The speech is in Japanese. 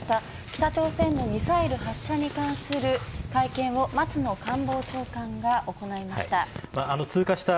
北朝鮮のミサイル発射に関する会見を松野官房長官が行いました